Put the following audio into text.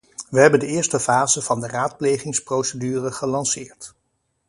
We hebben de eerste fase van de raadplegingsprocedure gelanceerd.